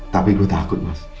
tapi gue takut mas